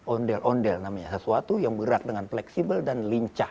ondel ondel namanya sesuatu yang bergerak dengan fleksibel dan lincah